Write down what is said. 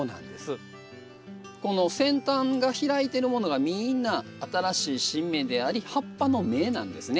この先端が開いてるものがみんな新しい新芽であり葉っぱの芽なんですね。